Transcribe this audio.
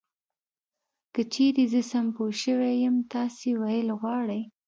که چېرې زه سم پوه شوی یم تاسې ویل غواړی .